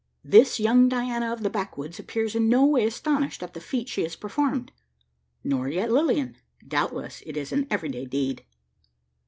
This young Diana of the backwoods appears in no way astonished at the feat she has performed; nor yet Lilian. Doubtless, it is an everyday deed.